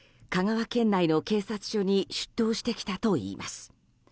香川県内の警察署に出頭してきたといいます。